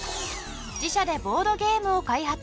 自社でボードゲームを開発。